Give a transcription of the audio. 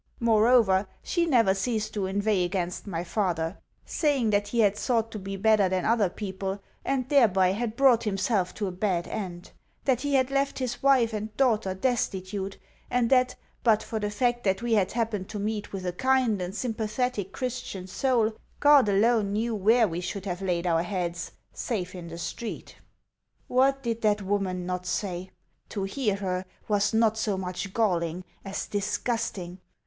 Moreover, she never ceased to inveigh against my father saying that he had sought to be better than other people, and thereby had brought himself to a bad end; that he had left his wife and daughter destitute; and that, but for the fact that we had happened to meet with a kind and sympathetic Christian soul, God alone knew where we should have laid our heads, save in the street. What did that woman not say? To hear her was not so much galling as disgusting.